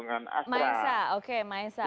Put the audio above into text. maesah oke maesah